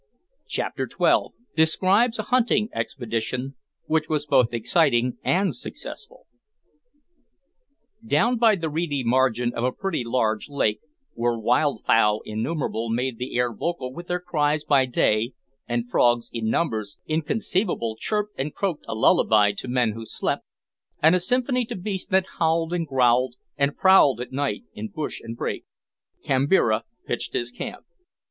CHAPTER TWELVE. DESCRIBES A HUNTING EXPEDITION WHICH WAS BOTH EXCITING AND SUCCESSFUL. Down by the reedy margin of a pretty large lake where wild fowl innumerable made the air vocal with their cries by day, and frogs, in numbers inconceivable, chirped and croaked a lullaby to men who slept, and a symphony to beasts that howled and growled and prowled at night in bush and brake Kambira pitched his camp.